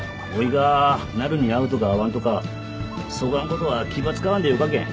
がなるに会うとか会わんとかそがんことは気ば使わんでよかけん。